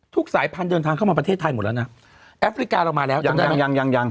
สายพันธุ์เดินทางเข้ามาประเทศไทยหมดแล้วนะแอฟริกาเรามาแล้วยังยังยัง